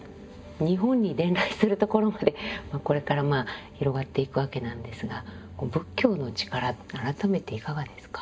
日本に伝来するところまでこれから広がっていくわけなんですが仏教の力改めていかがですか？